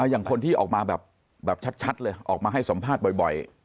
อย่างคนที่ออกมาแบบชัดเลยออกมาให้สัมภาษณ์บ่อย